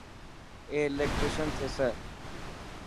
اي الڪيٽريسن ٿيسي.